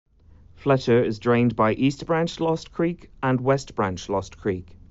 Fletcher is drained by East Branch Lost Creek and West Branch Lost Creek.